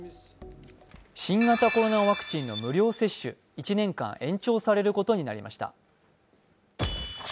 新型コロナワクチンの無料接種１年間延長されることになりました